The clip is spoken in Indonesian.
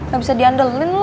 gak bisa diandelin lo